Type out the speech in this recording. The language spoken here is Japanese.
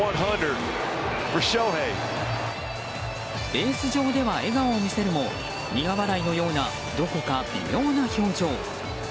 ベース上では笑顔を見せるも苦笑いのようなどこか微妙な表情。